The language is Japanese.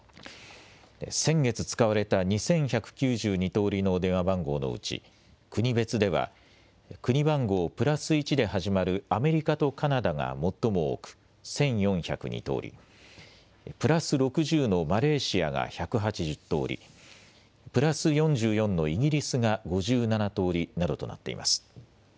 先月使われた２１９２通りの電話番号のうち、国別では国番号＋１で始まるアメリカとカナダが最も多く１４０２通り、＋６０のマレーシアが１８０通り、＋４４のイギリスが５７通りなどとなっています。